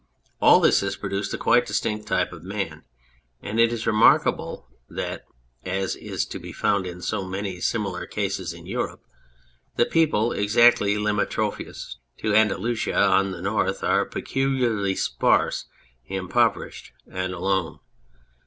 All this has produced a quite distinct type of man ; and it is remarkable that, as is to be found in so many similar cases in Europe, the people exactly limitrophous to Andalusia on the north are peculiarly sparse, impoverished and alone.